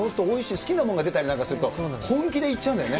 好きなものが出たりなんかすると、本気でいっちゃうんだよね。